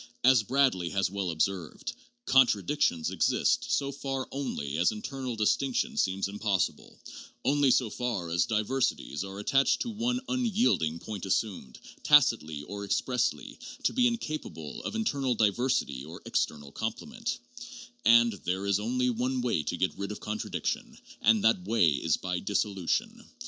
As Bradley has well observed, '' Contradictions exist so far only as internal dis tinction seems impossible, only so far as diversities are attached to one unyielding point assumed, tacitly or expressly, to be in capable of internal diversity or external complement"; and, "There is only one way to get rid of contradiction, and that way is by dissolution.